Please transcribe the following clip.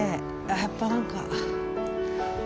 やっぱなんか。